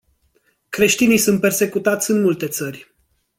Creștinii sunt persecutați în multe țări.